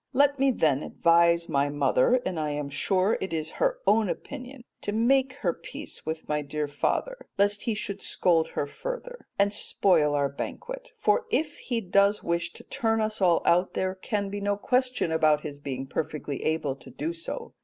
Let me then advise my mother (and I am sure it is her own opinion) to make her peace with my dear father, lest he should scold her still further, and spoil our banquet; for if he does wish to turn us all out there can be no question about his being perfectly able to do so.